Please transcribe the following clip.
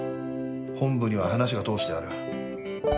本部には話を通してある。